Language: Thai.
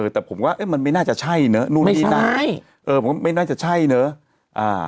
แต่ผมว่ามันไม่น่าจะใช่เนอะไม่ใช่ไม่น่าจะใช่เนอะ